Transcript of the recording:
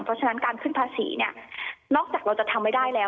เพราะฉะนั้นการขึ้นภาษีเนี่ยนอกจากเราจะทำไม่ได้แล้ว